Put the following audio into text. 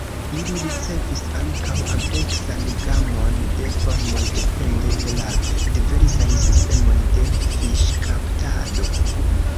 Ili ricevas ankaŭ ampleksan gamon de formoj depende de la diversaj sistemoj de fiŝkaptado.